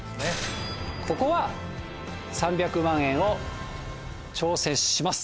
ここは３００万円を挑戦します！